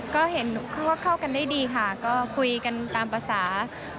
ก็เห็นว่าเข้ากันได้ดีค่ะก็คุยกันตามภาษา